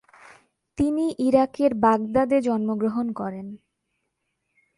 তিনি ইরাকের বাগদাদে জন্মগ্রহণ করেন।